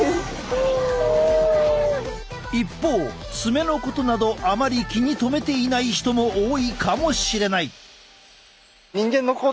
一方爪のことなどあまり気に留めていない人も多いかもしれない。